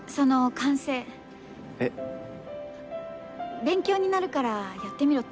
勉強になるからやってみろって。